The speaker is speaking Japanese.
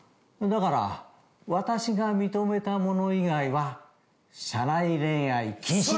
だから私が認めたもの以外は、社内恋愛禁止。